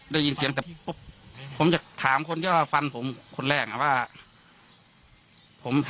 ได้ยินเสียงแต่ปุ๊บผมจะถามคนที่ว่าฟันผมคนแรกว่าผม